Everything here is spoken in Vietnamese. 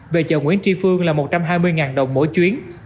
về chợ nguyễn tri phương là một trăm hai mươi đồng mỗi chuyến